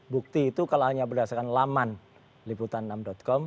bukti itu kalau hanya berdasarkan laman liputan enam com